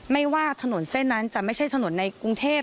ไม่ว่าถนนเส้นนั้นจะไม่ใช่ถนนในกรุงเทพ